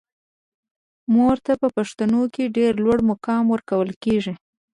مور ته په پښتنو کې ډیر لوړ مقام ورکول کیږي.